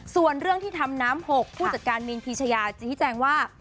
ส่วนเรื่องที่ทำน้ำหกผู้จัดการมินพีชยาชี้แจงว่า